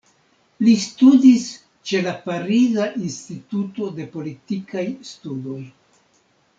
Li studis ĉe la Pariza Instituto de Politikaj Studoj.